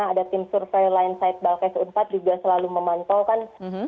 ada tim survei lineside balkes iv juga selalu memantau kan